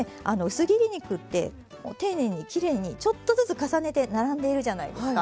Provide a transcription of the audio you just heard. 薄切り肉って丁寧にきれいにちょっとずつ重ねて並んでいるじゃないですか。